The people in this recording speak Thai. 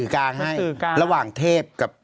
ครับ